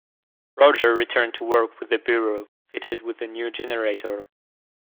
Roger returned to work with the Bureau, fitted with a new generator.